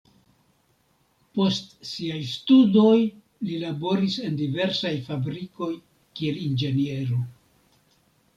Post siaj studoj li laboris en diversaj fabrikoj kiel inĝeniero.